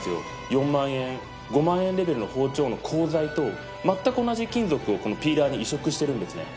４万円５万円レベルの包丁の鋼材と全く同じ金属をこのピーラーに移植してるんですね。